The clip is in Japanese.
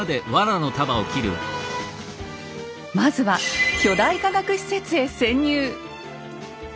まずは巨大科学施設へ潜入！